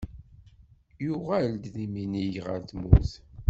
Yuɣal-d yiminig ɣer tmurt.